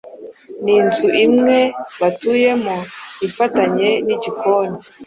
Ni inzu imwe batuyemo, ifatanye n’igikoni